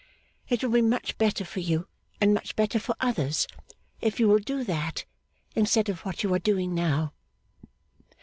It will be much better for you, and much better for others, if you will do that instead of what you are doing now.